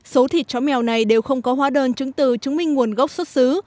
số thịt chó mèo này đều không có hóa đơn chứng từ chứng minh nguồn gốc xuất xứ